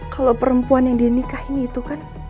kalau perempuan yang dia nikahin itu kan